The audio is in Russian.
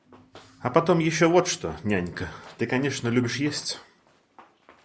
А потом ещё вот что, нянька, ты конечно любишь есть.